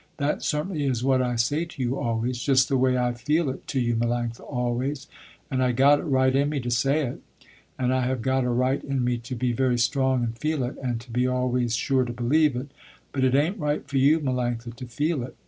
"That certainly is what I say to you always, just the way I feel it to you Melanctha always, and I got it right in me to say it, and I have got a right in me to be very strong and feel it, and to be always sure to believe it, but it ain't right for you Melanctha to feel it.